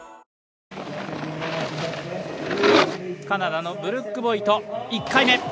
カナダのブルック・ボイト、１回目。